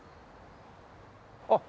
あっ！